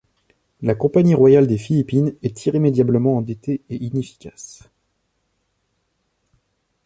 La Compagnie royale des Philippines est irrémédiablement endettée et inefficace.